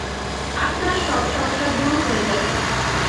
আপনার সব সমস্যা দূর হয়ে যাবে।